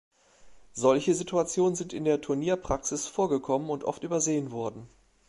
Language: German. Solche Situationen sind in der Turnierpraxis vorgekommen und oft übersehen worden.